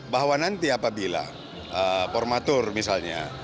bahwa nanti apabila formatur misalnya